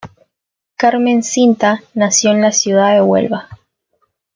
Carmen Cinta nació en la ciudad de Huelva.